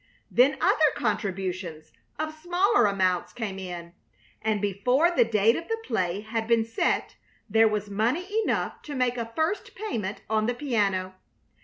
Then other contributions of smaller amounts came in, and before the date of the play had been set there was money enough to make a first payment on the piano.